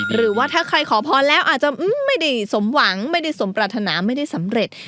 หรือว่าถ้าใครขอพรแล้วอาจจะไม่ได้สมหวังไม่ได้สมปรารถนาไม่ได้สำเร็จ